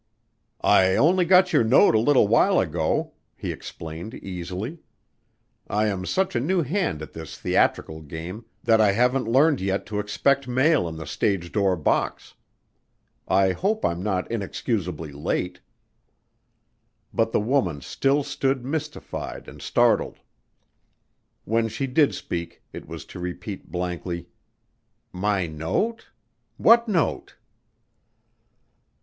"I only got your note a little while ago," he explained easily. "I am such a new hand at this theatrical game that I haven't learned yet to expect mail in the stage door box. I hope I'm not inexcusably late." But the woman still stood mystified and startled. When she did speak it was to repeat blankly, "My note? What note?"